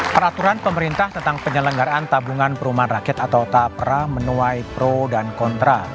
peraturan pemerintah tentang penyelenggaraan tabungan perumahan rakyat atau tapra menuai pro dan kontra